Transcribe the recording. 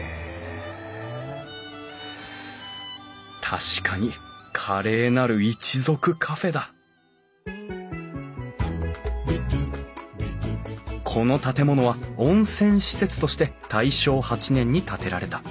確かに「華麗なる一族カフェ」だこの建物は温泉施設として大正８年に建てられた。